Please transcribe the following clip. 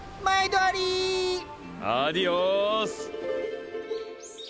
アディオス！